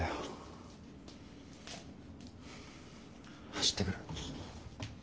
走ってくる。